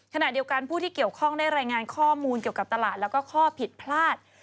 ขณะเดียวกันผู้ที่เกี่ยวข้องได้รายงานข้อมูลเกี่ยวกับตลาดแล้วก็ข้อผิดพลาด